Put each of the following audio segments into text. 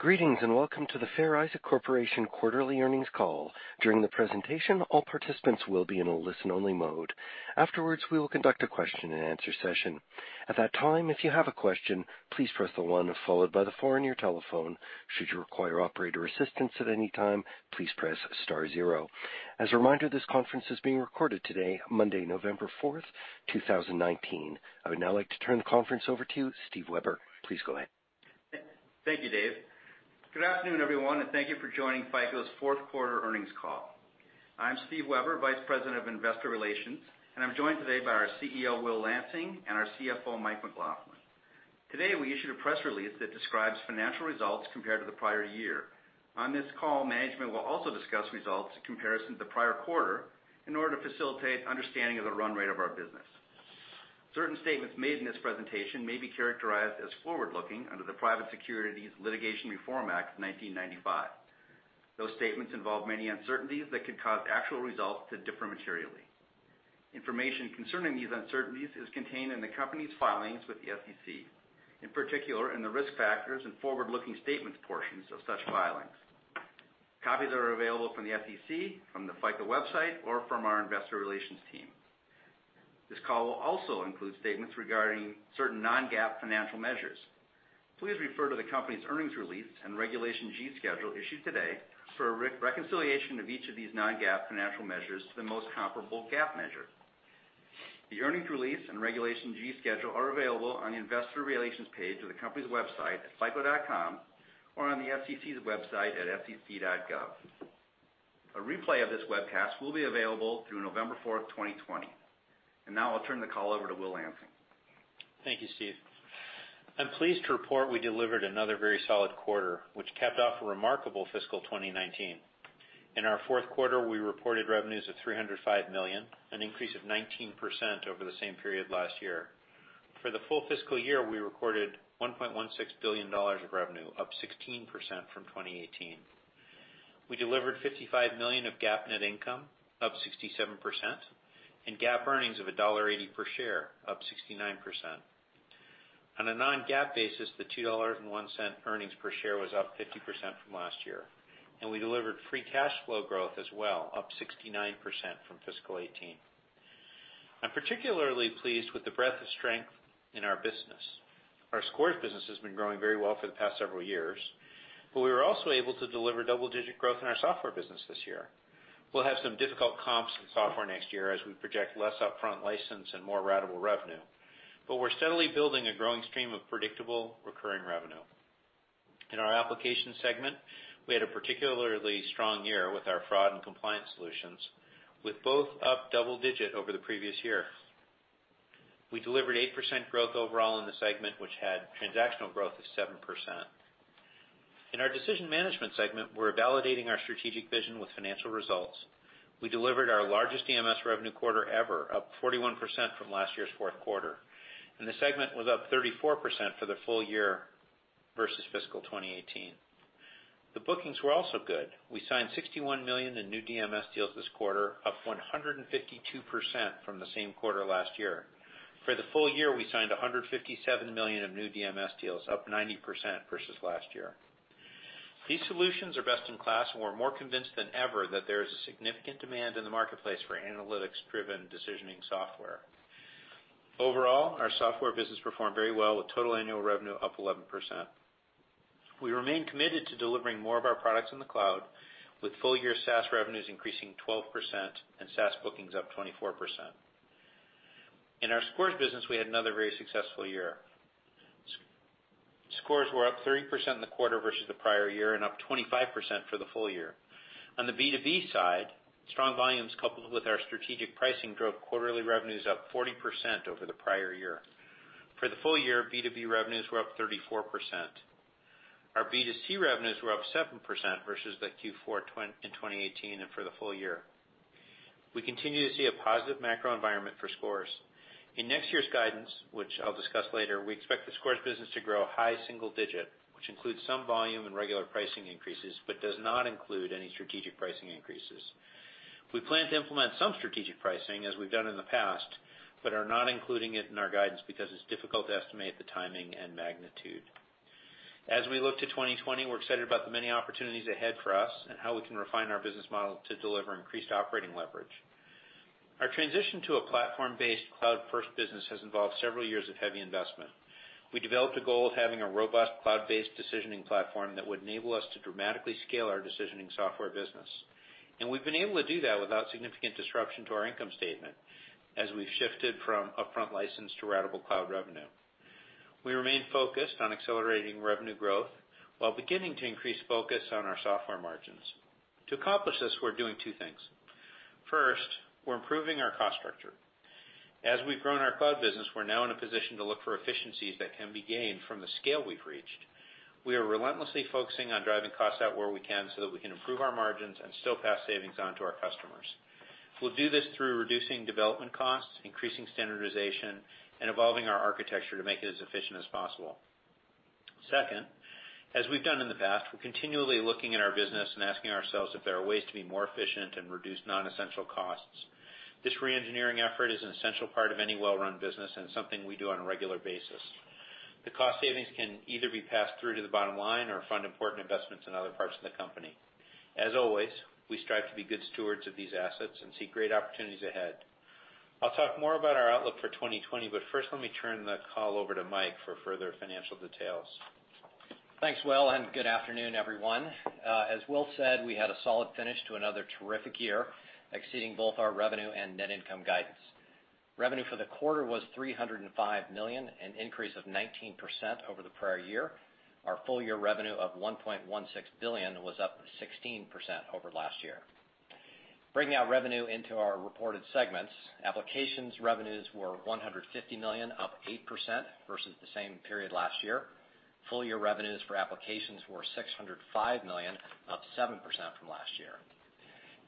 Greetings, and welcome to the Fair Isaac Corporation quarterly earnings call. During the presentation, all participants will be in a listen-only mode. Afterwards, we will conduct a question and answer session. At that time, if you have a question, please press the one followed by the four on your telephone. Should you require operator assistance at any time, please press star zero. As a reminder, this conference is being recorded today, Monday, November 4th, 2019. I would now like to turn the conference over to Steve Weber. Please go ahead. Thank you, Dave. Good afternoon, everyone, and thank you for joining FICO's fourth quarter earnings call. I'm Steve Weber, Vice President of Investor Relations, and I'm joined today by our CEO, Will Lansing, and our CFO, Mike McLaughlin. Today, we issued a press release that describes financial results compared to the prior year. On this call, management will also discuss results in comparison to the prior quarter in order to facilitate understanding of the run rate of our business. Certain statements made in this presentation may be characterized as forward-looking under the Private Securities Litigation Reform Act of 1995. Those statements involve many uncertainties that could cause actual results to differ materially. Information concerning these uncertainties is contained in the company's filings with the SEC, in particular in the risk factors and forward-looking statements portions of such filings. Copies are available from the SEC, from the FICO website or from our investor relations team. This call will also include statements regarding certain non-GAAP financial measures. Please refer to the company's earnings release and Regulation G schedule issued today for a reconciliation of each of these non-GAAP financial measures to the most comparable GAAP measure. The earnings release and Regulation G schedule are available on the investor relations page of the company's website at fico.com or on the SEC's website at sec.gov. A replay of this webcast will be available through November 4th, 2020. Now I'll turn the call over to Will Lansing. Thank you, Steve. I'm pleased to report we delivered another very solid quarter, which capped off a remarkable fiscal 2019. In our fourth quarter, we reported revenues of $305 million, an increase of 19% over the same period last year. For the full fiscal year, we recorded $1.16 billion of revenue, up 16% from 2018. We delivered $55 million of GAAP net income, up 67% and GAAP earnings of $1.80 per share, up 69%. On a non-GAAP basis, the $2.01 earnings per share was up 50% from last year, and we delivered free cash flow growth as well, up 69% from fiscal 2018. I'm particularly pleased with the breadth of strength in our business. Our Scores business has been growing very well for the past several years, but we were also able to deliver double-digit growth in our software business this year. We'll have some difficult comps in software next year as we project less upfront license and more ratable revenue, But we're steadily building a growing stream of predictable recurring revenue. In our Application segment, we had a particularly strong year with our fraud and compliance solutions, with both up double digit over the previous year. We delivered 8% growth overall in the segment, which had transactional growth of 7%. In our Decision Management segment, we're validating our strategic vision with financial results. We delivered our largest DMS revenue quarter ever, up 41% from last year's fourth quarter, and the segment was up 34% for the full year versus fiscal 2018. The bookings were also good. We signed $61 million in new DMS deals this quarter, up 152% from the same quarter last year. For the full year, we signed $157 million of new DMS deals, up 90% versus last year. These solutions are best in class, and we're more convinced than ever that there is a significant demand in the marketplace for analytics-driven decisioning software. Overall, our software business performed very well with total annual revenue up 11%. We remain committed to delivering more of our products in the cloud with full-year SaaS revenues increasing 12% and SaaS bookings up 24%. In our Scores business, we had another very successful year. Scores were up 30% in the quarter versus the prior year and up 25% for the full year. On the B2B side, strong volumes coupled with our strategic pricing drove quarterly revenues up 40% over the prior year. For the full year, B2B revenues were up 34%. Our B2C revenues were up 7% versus the Q4 in 2018 and for the full year. We continue to see a positive macro environment for Scores. In next year's guidance, which I'll discuss later, we expect the Scores business to grow high single digit, which includes some volume and regular pricing increases, but does not include any strategic pricing increases. We plan to implement some strategic pricing as we've done in the past, but are not including it in our guidance because it's difficult to estimate the timing and magnitude. As we look to 2020, we're excited about the many opportunities ahead for us and how we can refine our business model to deliver increased operating leverage. Our transition to a platform-based cloud-first business has involved several years of heavy investment. We developed a goal of having a robust cloud-based decisioning platform that would enable us to dramatically scale our Decision Management Software business, and we've been able to do that without significant disruption to our income statement as we've shifted from upfront license to ratable cloud revenue. We remain focused on accelerating revenue growth while beginning to increase focus on our software margins. To accomplish this, we're doing two things. First, we're improving our cost structure. As we've grown our cloud business, we're now in a position to look for efficiencies that can be gained from the scale we've reached. We are relentlessly focusing on driving costs out where we can so that we can improve our margins and still pass savings on to our customers. We'll do this through reducing development costs, increasing standardization, and evolving our architecture to make it as efficient as possible. Second, as we've done in the past, we're continually looking at our business and asking ourselves if there are ways to be more efficient and reduce non-essential costs. This re-engineering effort is an essential part of any well-run business and something we do on a regular basis. The cost savings can either be passed through to the bottom line or fund important investments in other parts of the company. As always, we strive to be good stewards of these assets and see great opportunities ahead. I'll talk more about our outlook for 2020, but first let me turn the call over to Mike for further financial details. Thanks, Will, and good afternoon, everyone. As Will said, we had a solid finish to another terrific year, exceeding both our revenue and net income guidance. Revenue for the quarter was $305 million, an increase of 19% over the prior year. Our full year revenue of $1.16 billion was up 16% over last year. Breaking our revenue into our reported segments, Applications revenues were $150 million, up 8% versus the same period last year. Full year revenues for Applications were $605 million, up 7% from last year.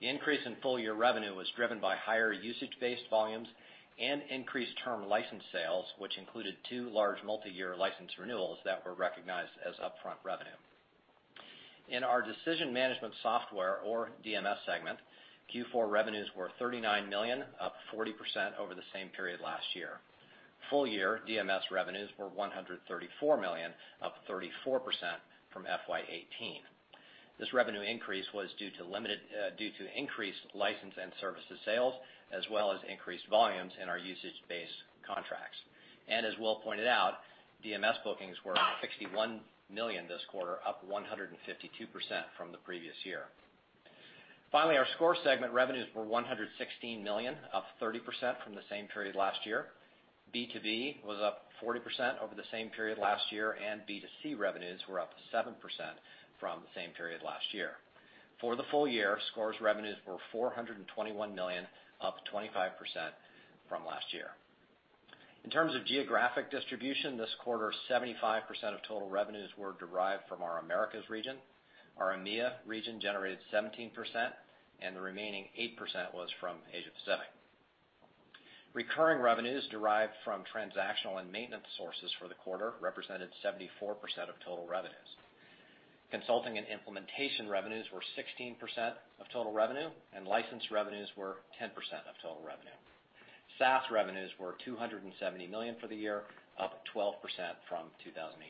The increase in full year revenue was driven by higher usage-based volumes and increased term license sales, which included two large multi-year license renewals that were recognized as upfront revenue. In our Decision Management Software or DMS segment, Q4 revenues were $39 million, up 40% over the same period last year. Full year DMS revenues were $134 million, up 34% from FY 2018. This revenue increase was due to increased license and services sales, as well as increased volumes in our usage-based contracts. As Will pointed out, DMS bookings were $61 million this quarter, up 152% from the previous year. Finally, our Score segment revenues were $116 million, up 30% from the same period last year. B2B was up 40% over the same period last year, and B2C revenues were up 7% from the same period last year. For the full year, Scores revenues were $421 million, up 25% from last year. In terms of geographic distribution this quarter, 75% of total revenues were derived from our Americas region. Our EMEA region generated 17%, and the remaining 8% was from Asia Pacific. Recurring revenues derived from transactional and maintenance sources for the quarter represented 74% of total revenues. Consulting and implementation revenues were 16% of total revenue, and license revenues were 10% of total revenue. SaaS revenues were $270 million for the year, up 12% from 2018.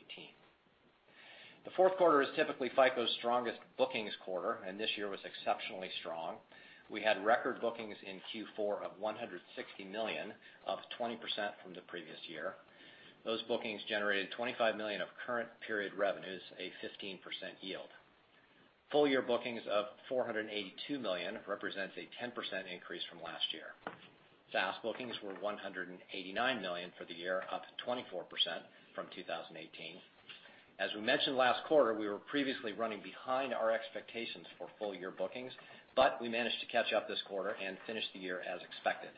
The fourth quarter is typically FICO's strongest bookings quarter, and this year was exceptionally strong. We had record bookings in Q4 of $160 million, up 20% from the previous year. Those bookings generated $25 million of current period revenues, a 15% yield. Full year bookings of $482 million represents a 10% increase from last year. SaaS bookings were $189 million for the year, up 24% from 2018. As we mentioned last quarter, we were previously running behind our expectations for full year bookings, but we managed to catch up this quarter and finish the year as expected.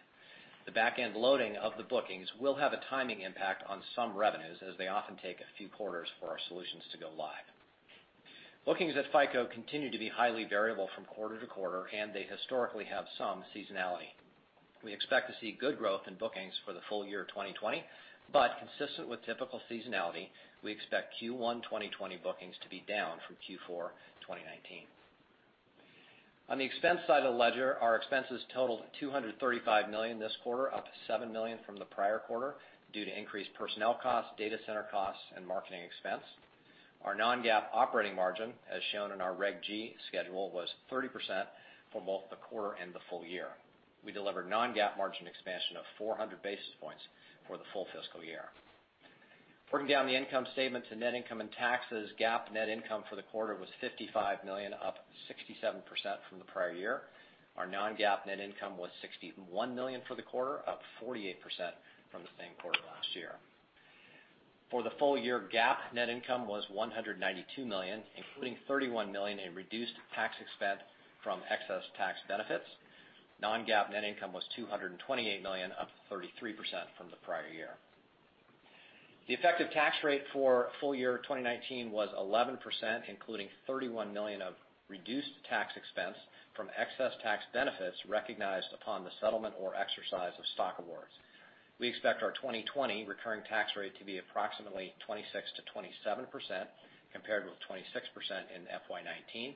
The back-end loading of the bookings will have a timing impact on some revenues, as they often take a few quarters for our solutions to go live. Bookings at FICO continue to be highly variable from quarter to quarter, and they historically have some seasonality. We expect to see good growth in bookings for the full year 2020, but consistent with typical seasonality, we expect Q1 2020 bookings to be down from Q4 2019. On the expense side of the ledger, our expenses totaled $235 million this quarter, up $7 million from the prior quarter due to increased personnel costs, data center costs, and marketing expense. Our non-GAAP operating margin, as shown in our Reg G schedule, was 30% for both the quarter and the full year. We delivered non-GAAP margin expansion of 400 basis points for the full fiscal year. Working down the income statement to net income and taxes, GAAP net income for the quarter was $55 million, up 67% from the prior year. Our non-GAAP net income was $61 million for the quarter, up 48% from the same quarter last year. For the full year, GAAP net income was $192 million, including $31 million in reduced tax expense from excess tax benefits. Non-GAAP net income was $228 million, up 33% from the prior year. The effective tax rate for full year 2019 was 11%, including $31 million of reduced tax expense from excess tax benefits recognized upon the settlement or exercise of stock awards. We expect our 2020 recurring tax rate to be approximately 26%-27%, compared with 26% in FY 2019,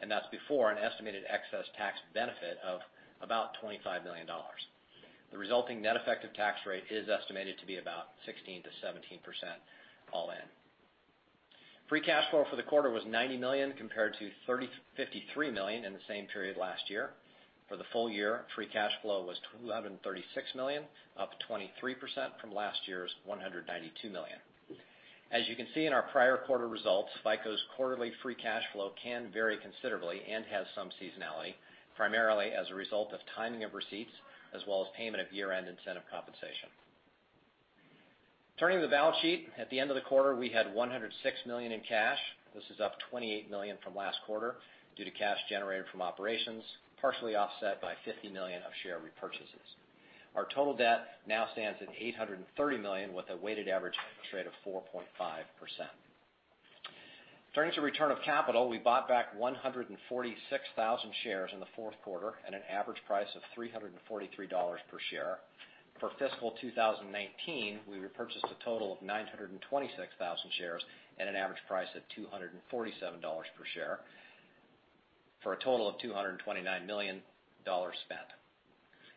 and that's before an estimated excess tax benefit of about $25 million. The resulting net effective tax rate is estimated to be about 16%-17% all in. Free cash flow for the quarter was $90 million, compared to $53 million in the same period last year. For the full year, free cash flow was $236 million, up 23% from last year's $192 million. As you can see in our prior quarter results, FICO's quarterly free cash flow can vary considerably and has some seasonality, primarily as a result of timing of receipts, as well as payment of year-end incentive compensation. Turning to the balance sheet, at the end of the quarter, we had $106 million in cash. This is up $28 million from last quarter due to cash generated from operations, partially offset by $50 million of share repurchases. Our total debt now stands at $830 million, with a weighted average interest rate of 4.5%. Turning to return of capital, we bought back 146,000 shares in the fourth quarter at an average price of $343 per share. For fiscal 2019, we repurchased a total of 926,000 shares at an average price of $247 per share for a total of $229 million spent.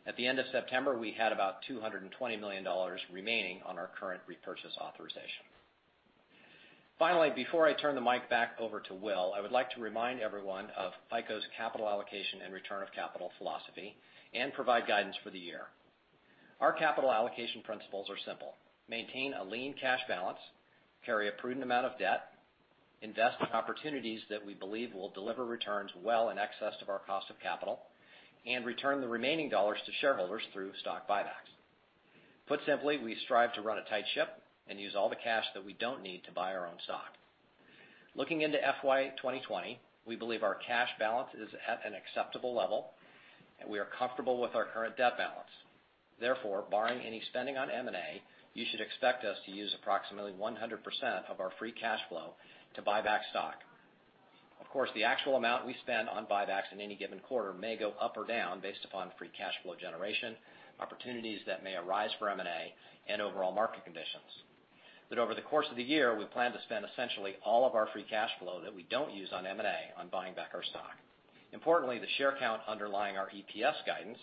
At the end of September, we had about $220 million remaining on our current repurchase authorization. Finally, before I turn the mic back over to Will, I would like to remind everyone of FICO's capital allocation and return of capital philosophy and provide guidance for the year. Our capital allocation principles are simple: maintain a lean cash balance, carry a prudent amount of debt, invest in opportunities that we believe will deliver returns well in excess of our cost of capital, and return the remaining dollars to shareholders through stock buybacks. Put simply, we strive to run a tight ship and use all the cash that we don't need to buy our own stock. Looking into FY 2020, we believe our cash balance is at an acceptable level, and we are comfortable with our current debt balance. Barring any spending on M&A, you should expect us to use approximately 100% of our free cash flow to buy back stock. The actual amount we spend on buybacks in any given quarter may go up or down based upon free cash flow generation, opportunities that may arise from M&A, and overall market conditions. Over the course of the year, we plan to spend essentially all of our free cash flow that we don't use on M&A on buying back our stock. Importantly, the share count underlying our EPS guidance,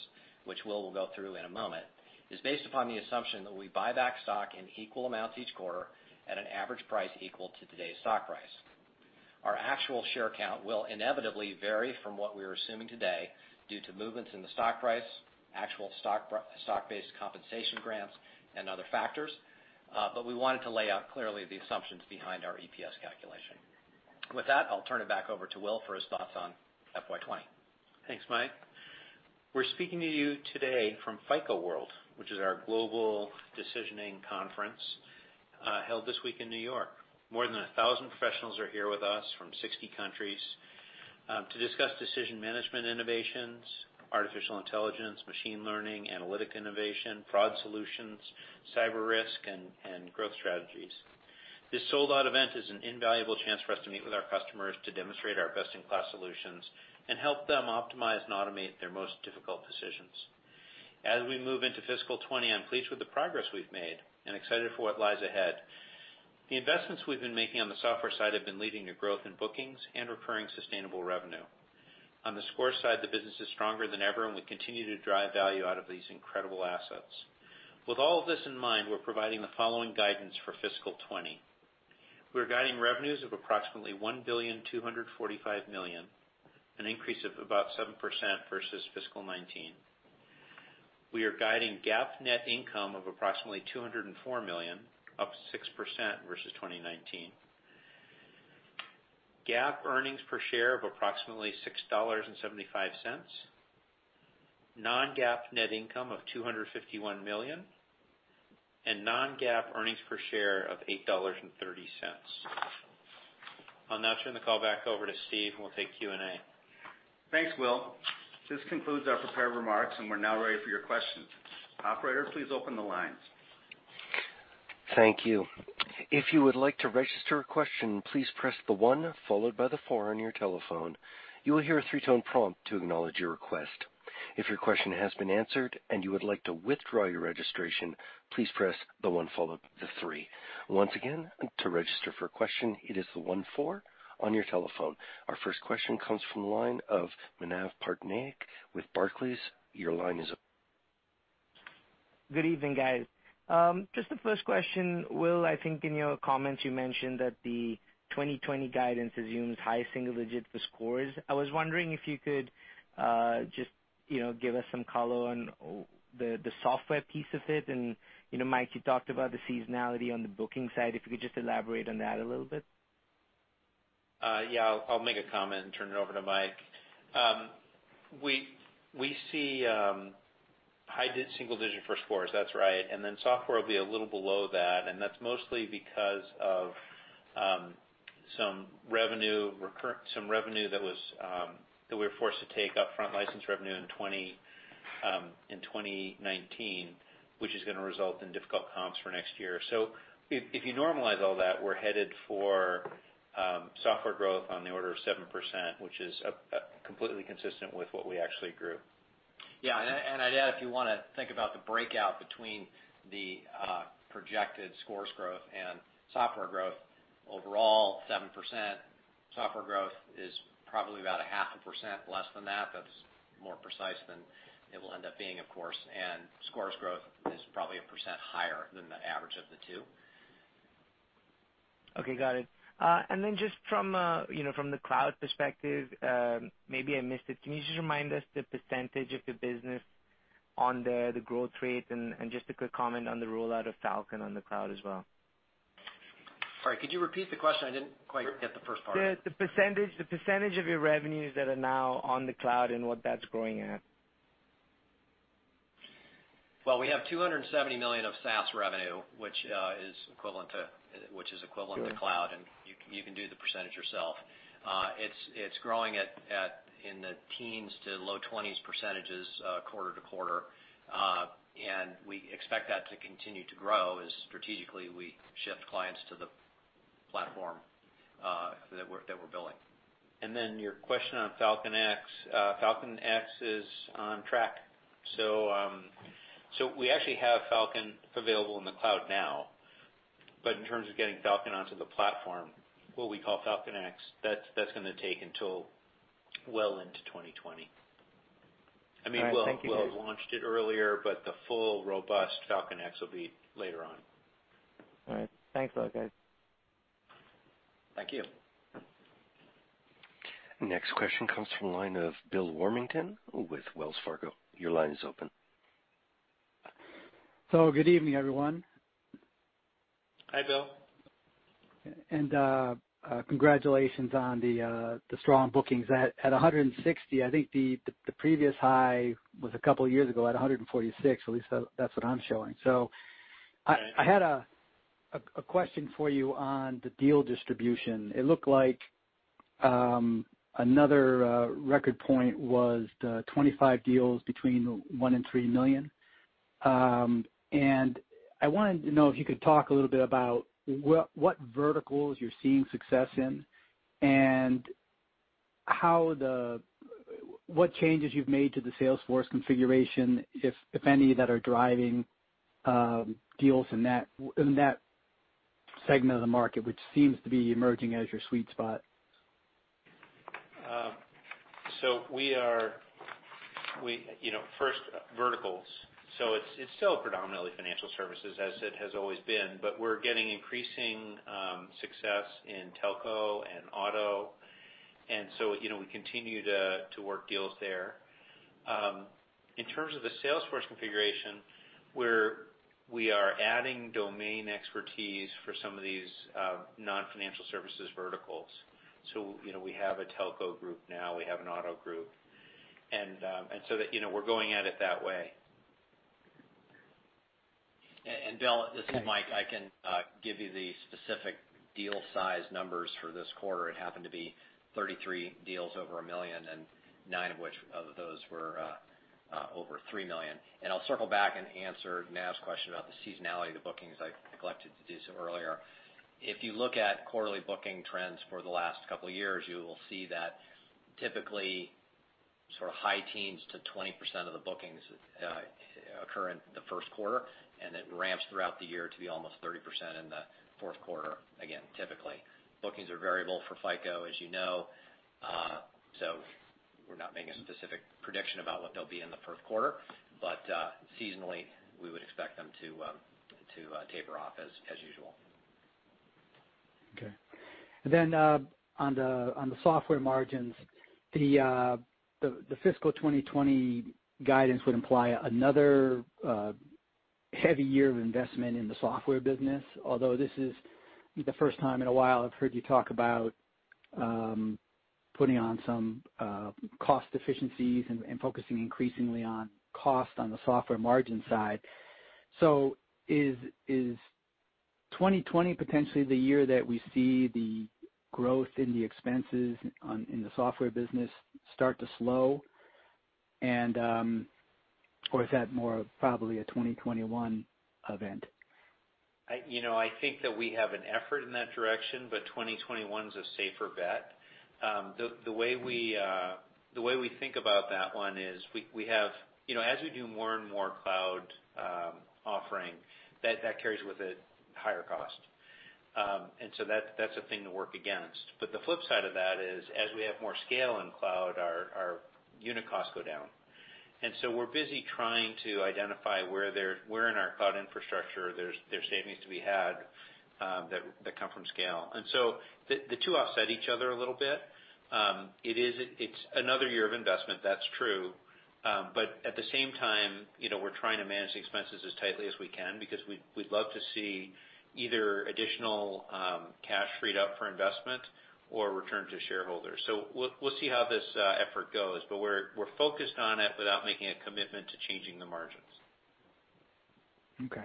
which Will will go through in a moment, is based upon the assumption that we buy back stock in equal amounts each quarter at an average price equal to today's stock price. Our actual share count will inevitably vary from what we are assuming today due to movements in the stock price, actual stock-based compensation grants, and other factors, but we wanted to lay out clearly the assumptions behind our EPS calculation. With that, I'll turn it back over to Will for his thoughts on FY 20. Thanks, Mike. We're speaking to you today from FICO World, which is our global decisioning conference, held this week in New York. More than 1,000 professionals are here with us from 60 countries to discuss decision management innovations, artificial intelligence, machine learning, analytic innovation, fraud solutions, cyber risk, and growth strategies. This sold-out event is an invaluable chance for us to meet with our customers to demonstrate our best-in-class solutions and help them optimize and automate their most difficult decisions. As we move into FY 2020, I'm pleased with the progress we've made and excited for what lies ahead. The investments we've been making on the software side have been leading to growth in bookings and recurring sustainable revenue. On the Score side, the business is stronger than ever, and we continue to drive value out of these incredible assets. With all of this in mind, we're providing the following guidance for fiscal 2020. We're guiding revenues of approximately $1.245 billion, an increase of about 7% versus fiscal 2019. We are guiding GAAP net income of approximately $204 million, up 6% versus 2019. GAAP earnings per share of approximately $6.75. Non-GAAP net income of $251 million. Non-GAAP earnings per share of $8.30. I'll now turn the call back over to Steve, and we'll take Q&A. Thanks, Will. This concludes our prepared remarks, and we're now ready for your questions. Operator, please open the lines. Thank you. If you would like to register a question, please press the one followed by the four on your telephone. You will hear a three-tone prompt to acknowledge your request. If your question has been answered and you would like to withdraw your registration, please press the one followed by the three. Once again, to register for a question, it is the one four on your telephone. Our first question comes from the line of Manav Patnaik with Barclays. Your line is open. Good evening, guys. Just the first question. Will, I think in your comments you mentioned that the 2020 guidance assumes high single digits for Scores. I was wondering if you could just, you know, give us some color on the software piece of it. You know, Mike, you talked about the seasonality on the booking side. If you could just elaborate on that a little bit. Yeah. I'll make a comment and turn it over to Mike. We see high single digit for Scores. That's right. Software will be a little below that, and that's mostly because of some revenue that was that we were forced to take up front license revenue in 2019, which is gonna result in difficult comps for next year. If you normalize all that, we're headed for software growth on the order of 7%, which is completely consistent with what we actually grew. Yeah, and I'd add, if you want to think about the breakout between the projected scores growth and software growth, overall 7% software growth is probably about a half a percent less than that, but it's more precise than it will end up being, of course. Scores growth is probably 1% higher than the average of the two. Okay, got it. Then just from, you know, from the cloud perspective, maybe I missed it. Can you just remind us the percentage of the business on the growth rate and just a quick comment on the rollout of Falcon on the cloud as well? Sorry, could you repeat the question? I didn't quite get the first part. The % of your revenues that are now on the cloud and what that's growing at. Well, we have $270 million of SaaS revenue, which is equivalent to. Sure. You can do the % yourself. It's growing at in the teens to low 20s %, quarter-over-quarter. We expect that to continue to grow as strategically we shift clients to the platform that we're building. Your question on FICO Falcon X. FICO Falcon X is on track. We actually have Falcon available in the cloud now, but in terms of getting Falcon onto the FICO Platform, what we call FICO Falcon X, that's gonna take until well into 2020. All right. Thank you, guys. I mean, we'll have launched it earlier, but the full robust Falcon X will be later on. All right. Thanks a lot, guys. Thank you. Next question comes from the line of Bill Warmington with Wells Fargo. Your line is open. Good evening, everyone. Hi, Bill. Congratulations on the strong bookings. At $160, I think the previous high was a couple years ago at $146, at least that's what I'm showing. Right I had a question for you on the deal distribution. It looked like another record point was the 25 deals between $1 million and $3 million. I wanted to know if you could talk a little bit about what verticals you're seeing success in and how the changes you've made to the Sales force configuration, if any, that are driving deals in that segment of the market, which seems to be emerging as your sweet spot. We are, you know, first verticals. It's still predominantly financial services as it has always been, but we're getting increasing success in telco and auto. You know, we continue to work deals there. In terms of the Salesforce configuration, we are adding domain expertise for some of these non-financial services verticals. You know, we have a telco group now, we have an auto group. You know, we're going at it that way. Bill, this is Mike. I can give you the specific deal size numbers for this quarter. It happened to be 33 deals over $1 million and nine of which of those were over $3 million. I'll circle back and answer Manav's question about the seasonality of the bookings. I neglected to do so earlier. If you look at quarterly booking trends for the last couple of years, you will see that typically sort of high teens to 20% of the bookings occur in the first quarter, and it ramps throughout the year to be almost 30% in the fourth quarter, again, typically. Bookings are variable for FICO, as you know. So we're not making a specific prediction about what they'll be in the first quarter. Seasonally, we would expect them to taper off as usual. Okay. On the software margins, the fiscal 2020 guidance would imply another heavy year of investment in the software business. Although this is the first time in a while I've heard you talk about putting on some cost efficiencies and focusing increasingly on cost on the software margin side. Is 2020 potentially the year that we see the growth in the expenses in the software business start to slow or is that more probably a 2021 event? You know, I think that we have an effort in that direction, 2021's a safer bet. The way we think about that one is we have You know, as we do more and more cloud offering, that carries with it higher cost. That's a thing to work against. The flip side of that is, as we have more scale in cloud, our unit costs go down. We're busy trying to identify where in our cloud infrastructure there's savings to be had that come from scale. The 2 offset each other a little bit. It's another year of investment, that's true. At the same time, you know, we're trying to manage the expenses as tightly as we can because we'd love to see either additional cash freed up for investment or return to shareholders. We'll see how this effort goes, but we're focused on it without making a commitment to changing the margins. Okay.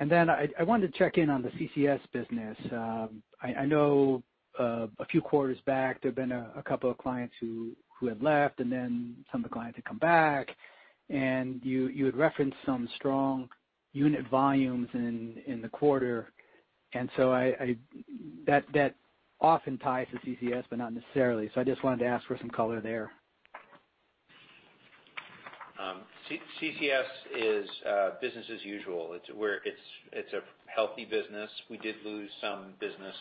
I wanted to check in on the CCS business. I know a few quarters back there've been a couple of clients who had left and then some of the clients had come back and you had referenced some strong unit volumes in the quarter. That often ties to CCS, but not necessarily. I just wanted to ask for some color there. CCS is business as usual. It's a healthy business. We did lose some business,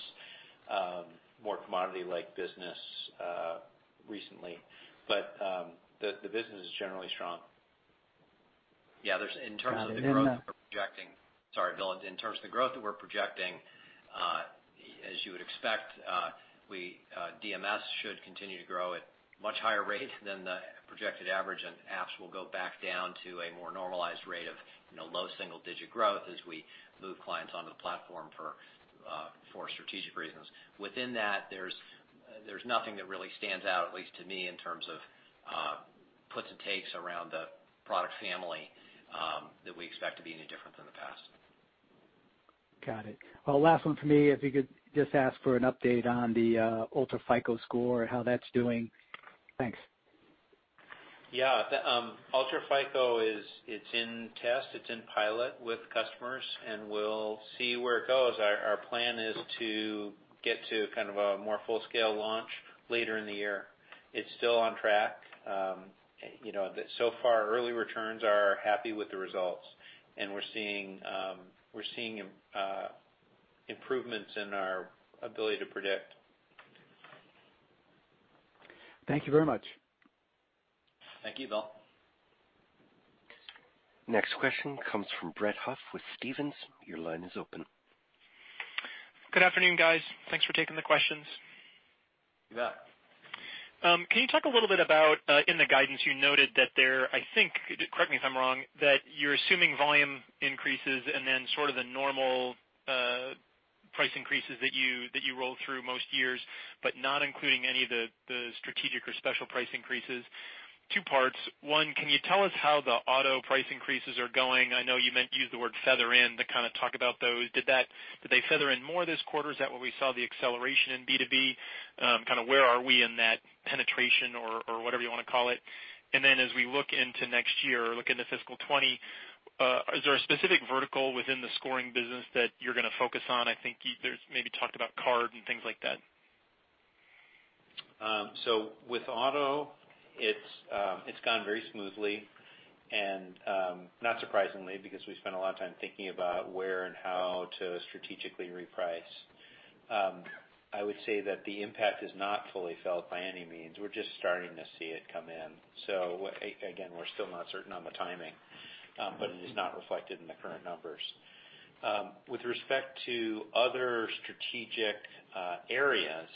more commodity-like business recently. The business is generally strong. Yeah, In terms of the growth we're projecting. Got it. Then. Sorry, Bill. In terms of the growth that we're projecting, as you would expect, we, DMS should continue to grow at much higher rate than the projected average, and apps will go back down to a more normalized rate of, You know, low single-digit growth as we move clients onto the FICO Platform for strategic reasons. Within that, there's nothing that really stands out, at least to me, in terms of puts and takes around the product family that we expect to be any different than the past. Got it. Well, last one for me, if you could just ask for an update on the UltraFICO Score and how that's doing. Thanks. Yeah. The UltraFICO is, it's in test, it's in pilot with customers, and we'll see where it goes. Our plan is to get to kind of a more full-scale launch later in the year. It's still on track. You know, so far, early returns are happy with the results, and we're seeing improvements in our ability to predict. Thank you very much. Thank you, Bill. Next question comes from Brett Huff with Stephens. Your line is open. Good afternoon, guys. Thanks for taking the questions. You bet. Can you talk a little bit about, in the guidance you noted that there, I think, correct me if I'm wrong, that you're assuming volume increases and then sort of the normal price increases that you, that you roll through most years, but not including any of the strategic or special price increases. 2 parts. 1, can you tell us how the auto price increases are going? I know you used the word feather in to kind of talk about those. Did they feather in more this quarter? Is that where we saw the acceleration in B2B? Kind of where are we in that penetration or whatever you wanna call it? Then as we look into next year or look into fiscal 2020, is there a specific vertical within the scoring business that you're gonna focus on? I think you there's maybe talked about card and things like that. With auto, it's gone very smoothly, and not surprisingly because we've spent a lot of time thinking about where and how to strategically reprice. I would say that the impact is not fully felt by any means. We're just starting to see it come in. Again, we're still not certain on the timing, but it is not reflected in the current numbers. With respect to other strategic areas,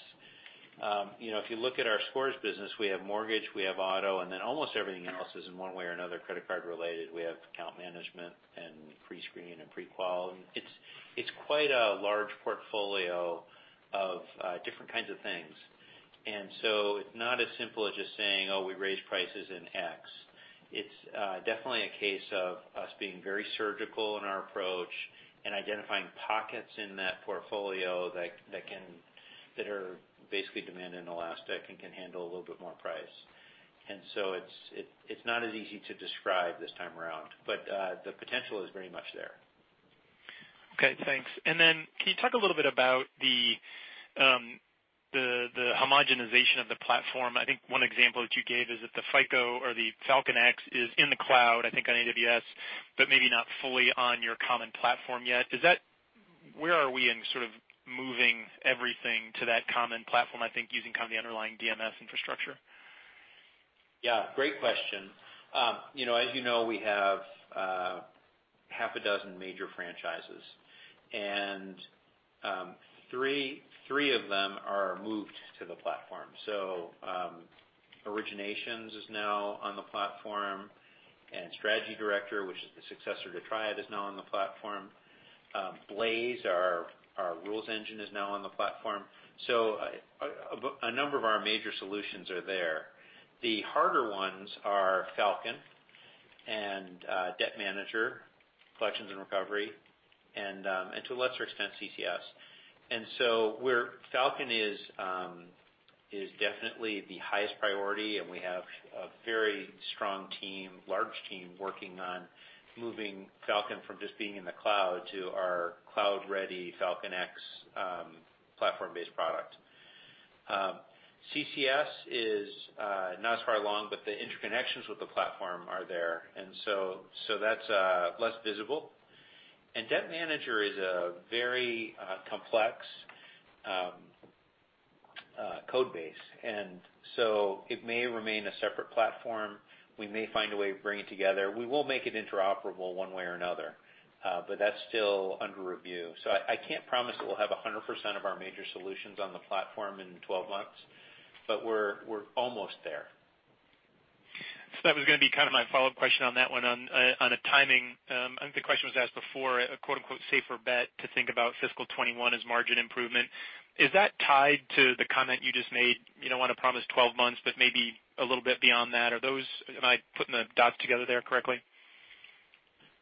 you know, if you look at our Scores business, we have mortgage, we have auto, and then almost everything else is in one way or another credit card related. We have account management and prescreen and prequal. It's quite a large portfolio of different kinds of things. It's not as simple as just saying, "Oh, we raised prices in X." It's definitely a case of us being very surgical in our approach and identifying pockets in that portfolio that are basically demand inelastic and can handle a little bit more price. It's not as easy to describe this time around, but the potential is very much there. Okay, thanks. Can you talk a little bit about the homogenization of the platform? I think one example that you gave is that the FICO or the FalconX is in the cloud, I think on AWS, but maybe not fully on your common platform yet. Where are we in sort of moving everything to that common platform, I think using kind of the underlying DMS infrastructure? Yeah, great question. You know, as you know, we have half a dozen major franchises. Three of them are moved to the Platform. Originations is now on the Platform, Strategy Director, which is the successor to TRIAD, is now on the Platform. Blaze, our rules engine is now on the Platform. A number of our major solutions are there. The harder ones are Falcon, Debt Manager, Collections and Recovery, and to a lesser extent, CCS. Falcon is definitely the highest priority, we have a very strong team, large team working on moving Falcon from just being in the cloud to our cloud-ready Falcon X, platform-based product. CCS is not as far along, but the interconnections with the Platform are there. So that's less visible. FICO Debt Manager is a very complex code base. It may remain a separate platform. We may find a way to bring it together. We will make it interoperable one way or another, but that's still under review. I can't promise that we'll have 100% of our major solutions on the platform in 12 months, but we're almost there. That was gonna be kind of my follow-up question on that one on a timing. I think the question was asked before, a quote unquote "safer bet" to think about fiscal 2021 as margin improvement. Is that tied to the comment you just made, you don't wanna promise 12 months, but maybe a little bit beyond that? Am I putting the dots together there correctly?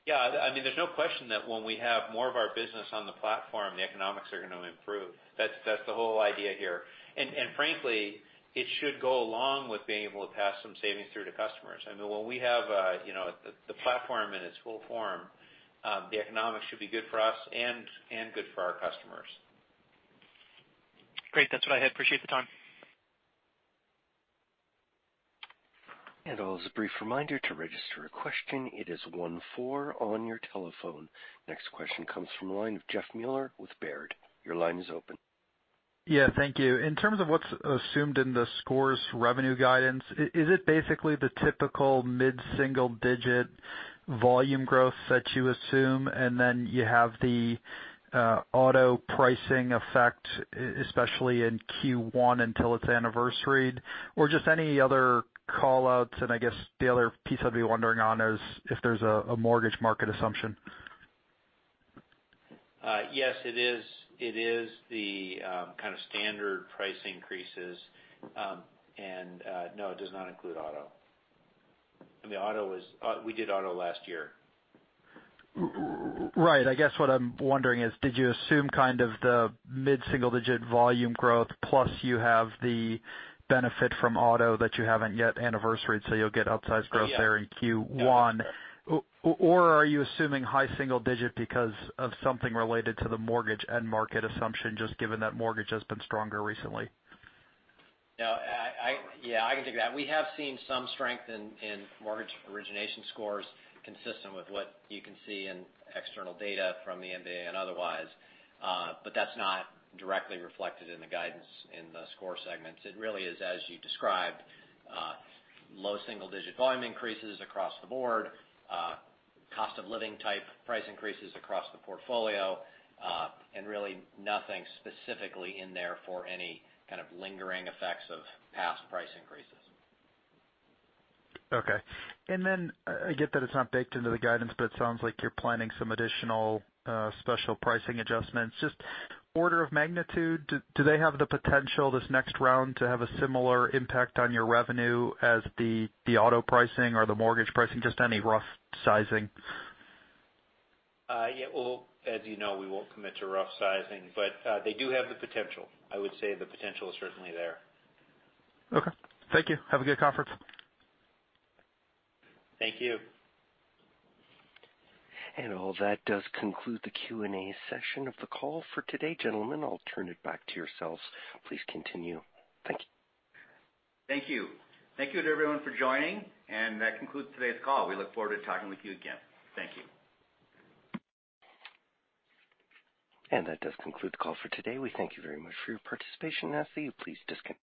Yeah. I mean, there's no question that when we have more of our business on the platform, the economics are gonna improve. That's the whole idea here. Frankly, it should go along with being able to pass some savings through to customers. I mean, when we have, you know, the platform in its full form, the economics should be good for us and good for our customers. Great. That's what I had. Appreciate the time. Also a brief reminder to register a question. It is one four on your telephone. Next question comes from the line of Jeffrey Meuler with Baird. Your line is open. Yeah. Thank you. In terms of what's assumed in the Scores revenue guidance, is it basically the typical mid-single-digit volume growth that you assume, and then you have the auto pricing effect, especially in Q1 until it's anniversaried? Just any other call-outs, and I guess the other piece I'd be wondering on is if there's a mortgage market assumption. Yes, it is. It is the kind of standard price increases. And, no, it does not include auto. I mean, we did auto last year. Right. I guess what I'm wondering is did you assume kind of the mid-single-digit volume growth, plus you have the benefit from auto that you haven't yet anniversaried, so you'll get outsized growth there in Q1? Yeah. Are you assuming high single-digit because of something related to the mortgage end market assumption, just given that mortgage has been stronger recently? No, I can take that. We have seen some strength in mortgage origination Scores consistent with what you can see in external data from the MBA and otherwise. That's not directly reflected in the guidance in the Score segments. It really is, as you described, low single digit volume increases across the board, cost of living type price increases across the portfolio. Really nothing specifically in there for any kind of lingering effects of past price increases. Okay. Then I get that it's not baked into the guidance, but it sounds like you're planning some additional special pricing adjustments. Just order of magnitude, do they have the potential this next round to have a similar impact on your revenue as the auto pricing or the mortgage pricing? Just any rough sizing. Yeah, well, as you know, we won't commit to rough sizing, but, they do have the potential. I would say the potential is certainly there. Okay. Thank you. Have a good conference. Thank you. All that does conclude the Q&A session of the call for today, gentlemen. I'll turn it back to yourselves. Please continue. Thank you. Thank you. Thank you to everyone for joining, and that concludes today's call. We look forward to talking with you again. Thank you. That does conclude the call for today. We thank you very much for your participation. I ask that you please disconnect.